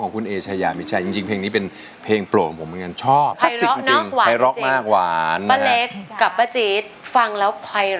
ฝากใจกับจันทร์ฝากฝันกับดาว